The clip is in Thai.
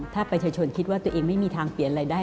ถ้าประชาชนคิดว่าตัวเองไม่มีทางเปลี่ยนอะไรได้